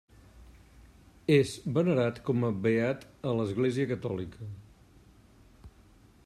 És venerat com a beat a l'Església Catòlica.